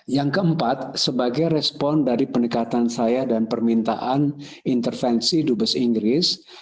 yang keempat sebagai respon dari pendekatan saya dan permintaan intervensi dubes inggris